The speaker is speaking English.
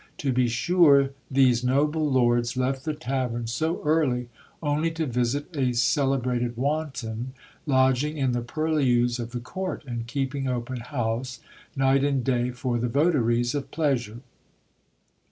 V. To be sure, these noble lords left the tavern so early only to visit a GREGORIO DE NORIEGAS PARTY. 89 celebrated wanton, lodging in the purlieus of the court, and keeping open house night and day for the votaries of pleasure.